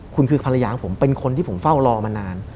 คุณคือภรรยาของผมเป็นคนที่ผมเฝ้ารอมานาน